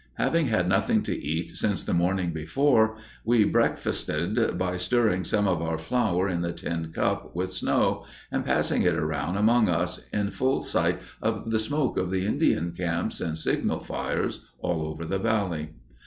Having had nothing to eat since the morning before, we breakfasted by stirring some of our flour in the tip cup, with snow, and passing it around among us, in full sight of the smoke of the Indian camps and signal fires all over the Valley.